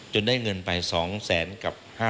ได้เงินไป๒แสนกับ๕๐๐